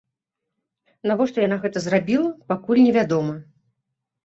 Навошта яна гэта зрабіла, пакуль не вядома.